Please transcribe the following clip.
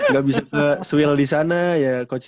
gak bisa ke swill disana ya coach ya